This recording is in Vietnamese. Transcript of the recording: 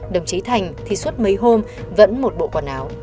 đồng chí thành thì suốt mấy hôm vẫn một bộ quần áo